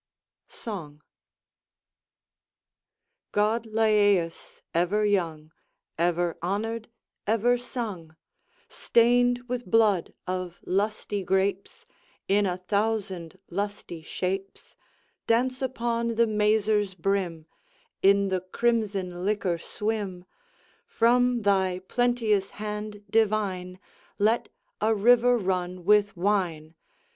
SONG God Lyæus, ever young, Ever honored, ever sung, Stained with blood of lusty grapes, In a thousand lusty shapes, Dance upon the mazer's brim, In the crimson liquor swim; From thy plenteous hand divine, Let a river run with wine.